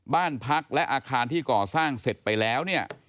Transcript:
บ้านพักและอาคารที่ก่อสร้างเสร็จไปแล้วเนี่ย